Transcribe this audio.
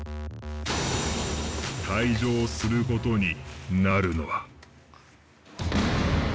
退場する事になるのは。